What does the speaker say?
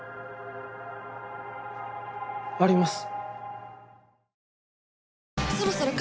あります。